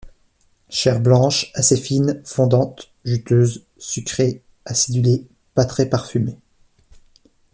Chair blanche, assez fine, fondante, juteuse, sucrée, acidulée, pas très parfumée.